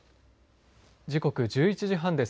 時刻１１時半です。